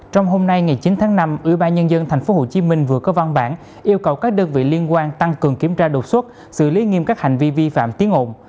trong hôm nay ngày chín tháng năm ubnd tp hcm vừa có văn bản yêu cầu các đơn vị liên quan tăng cường kiểm tra đột xuất xử lý nghiêm các hành vi vi phạm tiếng ồn